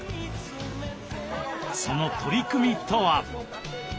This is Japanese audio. その取り組みとは？